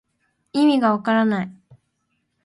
いみがわからない